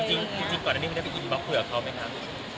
จริงก่อนอันนี้เคยได้ไปอินบล็อกคุยกับเขาไหมคะ